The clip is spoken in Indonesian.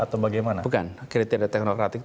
atau bagaimana bukan kriteria teknokratik